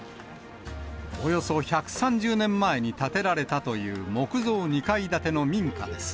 およそ１３０年前に建てられたという木造２階建ての民家です。